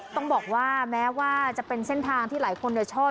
ต้องบอกว่าแม้ว่าจะเป็นเส้นทางที่หลายคนชอบ